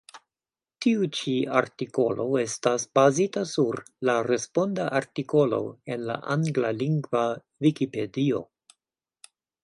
Tiu ĉi artikolo estas bazita sur la responda artikolo en la anglalingva Vikipedio.